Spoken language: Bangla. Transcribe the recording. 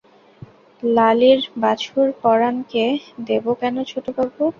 লালীর বাছুর পরাণকে দেব কেন ছোটবাবু?